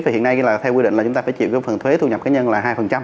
hiện nay theo quy định là chúng ta phải chịu phần thuế thu nhập cá nhân là hai